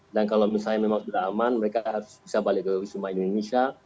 dan kalau misalnya memang sudah aman mereka harus bisa ke wisma indonesia